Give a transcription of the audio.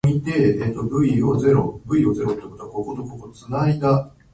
悪人などがはびこり、我がもの顔に振る舞うこと。